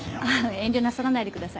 遠慮なさらないでください。